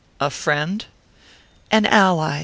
"A friend?" "An ally."